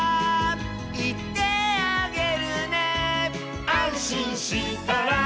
「いってあげるね」「あんしんしたら」